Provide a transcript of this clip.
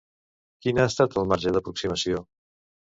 Quin ha estat el marge d'aproximació?